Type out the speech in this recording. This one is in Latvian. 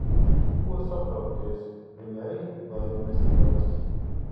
Ko satraukties. Viņi arī baigi nesatraucas.